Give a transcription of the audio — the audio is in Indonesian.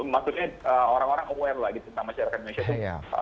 maksudnya orang orang aware lah gitu tentang masyarakat indonesia itu